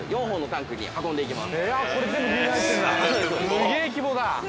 ◆すげえ規模だ。